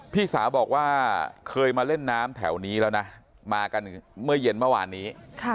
พี่สาวบอกว่าเคยมาเล่นน้ำแถวนี้แล้วนะมากันเมื่อเย็นเมื่อวานนี้